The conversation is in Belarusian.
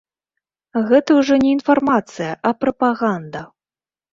Гэта ўжо не інфармацыя, а прапаганда.